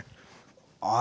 ああ